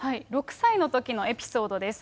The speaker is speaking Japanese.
６歳のときのエピソードです。